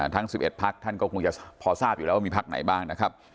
ทั้ง๑๑พักท่านคงพอทราบอยู่แล้วว่ามีฝ่ายไหนบ้าง